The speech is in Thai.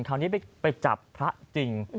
คราวนี้ไปจับพระจริง